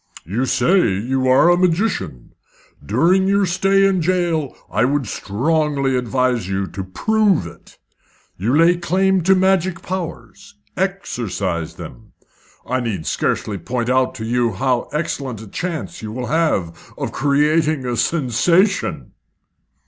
You say you are a magician. During your stay in jail I would strongly advise you to prove it. You lay claim to magic powers. Exercise them. I need scarcely point out to you how excellent a chance you will have of creating a sensation."